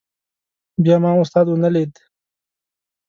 بیا ما استاد ونه لید.